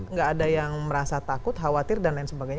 nggak ada yang merasa takut khawatir dan lain sebagainya